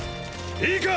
いいか！！